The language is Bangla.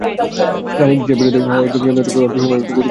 রানীর ইচ্ছার বিরুদ্ধে হাওয়াই প্রজাতন্ত্র অল্প সময়ের জন্য গঠিত হয়েছিল।